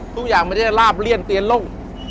ทุกอย่างไม่ได้ลาบเลี่ยนเตียนล่ม